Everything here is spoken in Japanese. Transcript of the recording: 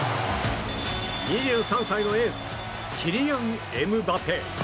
２３歳のエースキリアン・エムバペ。